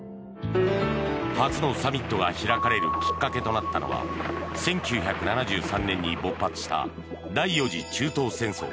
初のサミットが開かれるきっかけとなったのは１９７３年に勃発した第４次中東戦争。